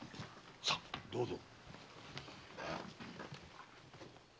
さあどうぞ。